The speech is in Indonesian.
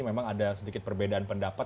memang ada sedikit perbedaan pendapat